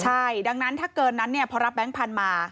ใช่ดังนั้นถ้าเกินนั้นพอรับแบงค์พันธุ์มา